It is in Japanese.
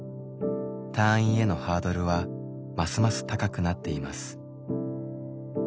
退院へのハードルはますます高くなっています。